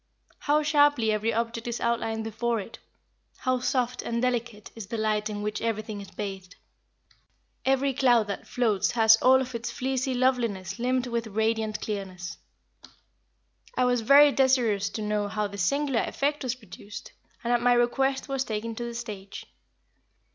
How sharply every object is outlined before it? How soft and delicate is the light in which everything is bathed? Every cloud that floats has all of its fleecy loveliness limned with a radiant clearness. I was very desirous to know how this singular effect was produced, and at my request was taken to the stage.